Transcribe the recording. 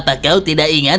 apa kau tidak ingat